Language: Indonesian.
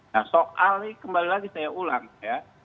nah soal ini kembali lagi saya ulang ya